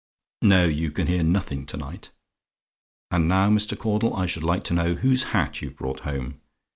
No: you can hear nothing to night. "And now, Mr. Caudle, I should like to know whose hat you've brought home?